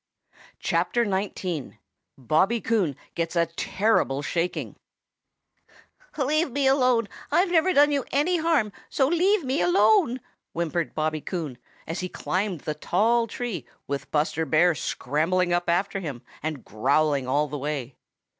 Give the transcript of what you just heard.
XIX. BOBBY COON GETS A TERRIBLE SHAKING |LEAVE me alone! I've never done you any harm, so leave me alone!" whimpered Bobby Coon, as he climbed the tall tree with Buster Bear scrambling up after him and growling all the way.